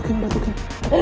rahim ini muup mundur